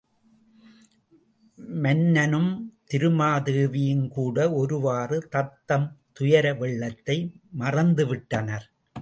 மன்னனும் திருமாதேவியும்கூட ஒருவாறு தத்தம் துயர வெள்ளத்தை மறந்துவிட்டனர்.